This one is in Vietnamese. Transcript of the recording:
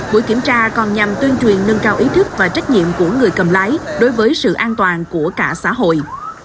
buổi kiểm tra còn nhằm tuyên truyền nâng cao ý thức và trách nhiệm của người cầm lái đối với sự an toàn của cả xã hội